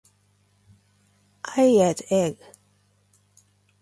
I ate egg.